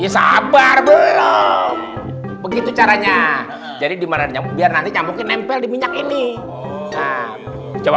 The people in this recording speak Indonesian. sabar belum begitu caranya jadi dimananya biar nanti nyamukin nempel di minyak ini coba